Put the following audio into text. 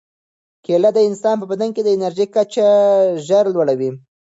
کیله د انسان په بدن کې د انرژۍ کچه ژر لوړوي.